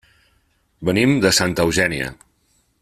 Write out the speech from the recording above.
Venim de Santa Eugènia.